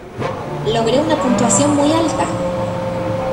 Logré una puntuación muy alta.